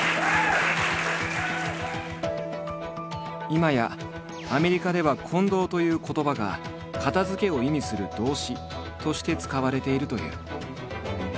今やアメリカでは「コンドー」という言葉が「片づけ」を意味する動詞として使われているという。